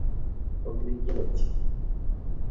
ওখানে কী হচ্ছে?